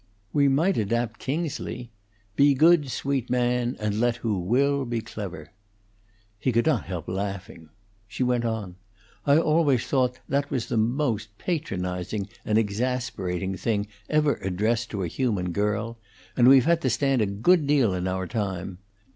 "We might adapt Kingsley: 'Be good, sweet man, and let who will be clever.'" He could not help laughing. She went on: "I always thought that was the most patronizing and exasperating thing ever addressed to a human girl; and we've had to stand a good deal in our time.